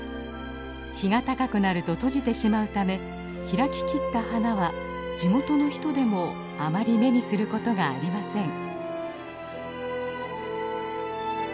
日が高くなると閉じてしまうため開ききった花は地元の人でもあまり目にすることがありません。